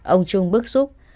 ông trung bức xúc